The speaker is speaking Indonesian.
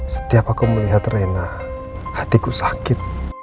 setiap aku melihat rena hatiku sakit